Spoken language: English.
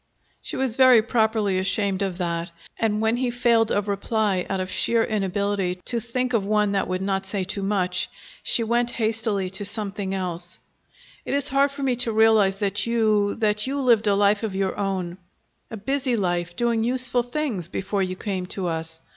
She was very properly ashamed of that, and, when he failed of reply out of sheer inability to think of one that would not say too much, she went hastily to something else: "It is hard for me to realize that you that you lived a life of your own, a busy life, doing useful things, before you came to us.